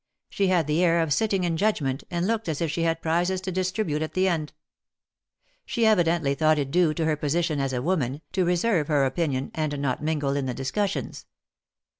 She had the air of sitting in judgment, and looked as if she had prizes to distribute at the end. She evidently thought it due to her position as a woman, to reserve her opinion, and not mingle in the discussions.